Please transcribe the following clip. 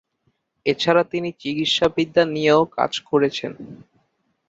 এছাড়া তিনি চিকিৎসাবিদ্যা নিয়েও কাজ করেছেন।